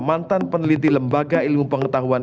mantan peneliti lembaga ilmu pengetahuan